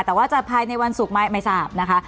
แต่ว่าจะภายในวันสุขไม่สะอาบนะคะ